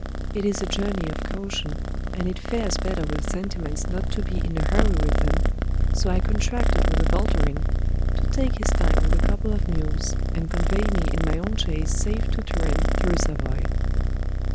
It is a journey of caution, and it fares better with sentiments not to be in a hurry with them, so I con tracted with a volturin to take his time with a couple of mules and convey me in my own chaise safe to Turin through Savoy.